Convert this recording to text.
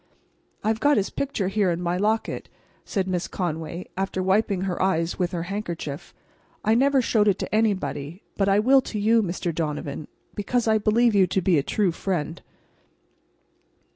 "I've got his picture here in my locket," said Miss Conway, after wiping her eyes with her handkerchief. "I never showed it to anybody; but I will to you, Mr. Donovan, because I believe you to be a true friend."